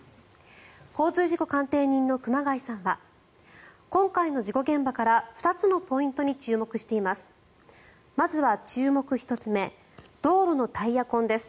交通事故鑑定人の熊谷さんは今回の事故現場から２つのポイントに注目しています。